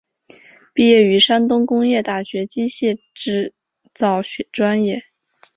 毕业于山东工业大学机械制造专业。